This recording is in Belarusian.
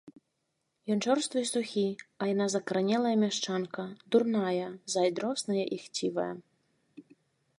Ён чорствы і сухі, а яна закаранелая мяшчанка, дурная, зайздросная і хцівая.